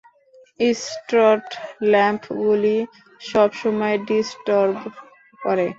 স্ট্রট ল্যাম্পগুলি সব সময় ডিসটর্ব করে।